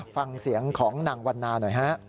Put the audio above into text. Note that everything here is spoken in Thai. ฟังเสียงของนางวันนาหน่อยฮะ